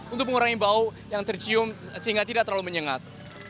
untuk mengurangi bau yang tercium sehingga tidak terlalu menyengat